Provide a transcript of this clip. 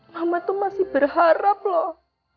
mama tuh masih berharap loh